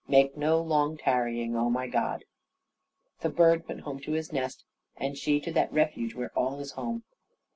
Make no long tarrying, oh my God!" The bird went home to his nest, and she to that refuge where all is home.